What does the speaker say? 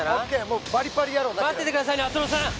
もうバリバリやろう待っててくださいね篤郎さん